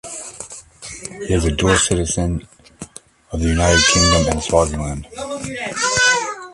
He is a dual citizen of the United Kingdom and Swaziland.